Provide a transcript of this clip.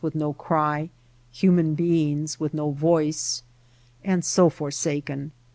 with no cry, human beings with no voice. And so forsaken